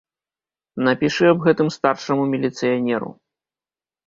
Напішы аб гэтым старшаму міліцыянеру.